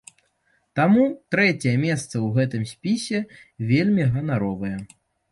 Таму трэцяе месца ў гэтым спісе вельмі ганаровае.